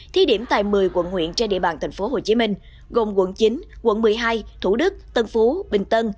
thi điểm tại một mươi quận huyện trên địa bàn thành phố hồ chí minh gồm quận chín quận một mươi hai thủ đức tân phú bình tân